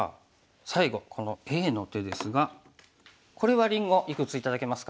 最後このＡの手ですがこれはりんごいくつ頂けますか？